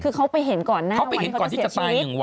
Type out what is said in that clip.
คือเขาไปเห็นก่อนหน้าเขาไปเห็นก่อนที่จะตายหนึ่งวัน